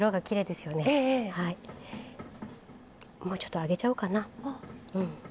もうちょっと上げちゃおうかな。